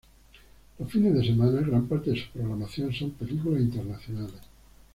Los fines de semana, gran parte de su programación son películas internacionales.